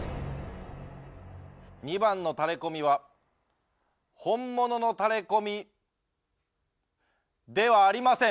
２番のタレコミは本物のタレコミではありません。